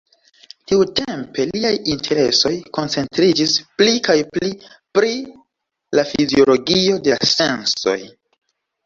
Tiutempe liaj interesoj koncentriĝis pli kaj pli pri la fiziologio de la sensoj.